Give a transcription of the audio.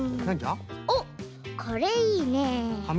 おっこれいいね。